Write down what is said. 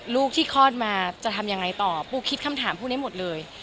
ลูกที่คลอดมาจะทำยังไงต่อปูคิดคำถามพวกนี้หมดเลย